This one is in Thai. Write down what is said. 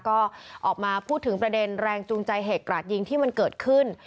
ก็ออกมาพูดถึงประเด็นแรงจูงใจเหตุกราดยิงที่มันเกิดขึ้น